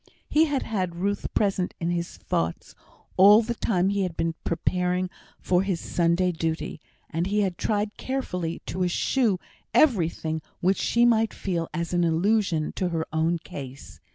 He had had Ruth present in his thoughts all the time he had been preparing for his Sunday duty; and he had tried carefully to eschew everything which she might feel as an allusion to her own case.